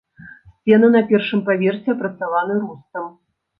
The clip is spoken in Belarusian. Сцены на першым паверсе апрацаваны рустам.